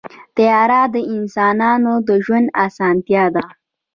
طیاره د انسانانو د ژوند اسانتیا ده.